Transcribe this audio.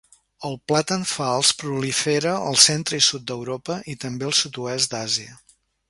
El plàtan fals prolifera al centre i sud d'Europa, i també al sud-oest d'Àsia.